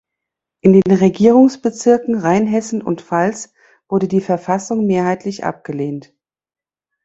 In den Regierungsbezirken Rheinhessen und Pfalz wurde die Verfassung mehrheitlich abgelehnt.